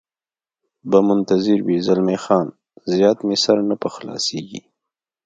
به منتظر وي، زلمی خان: زیات مې سر نه په خلاصېږي.